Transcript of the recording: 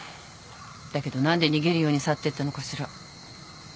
だけど何で逃げるように去ってったのかしら。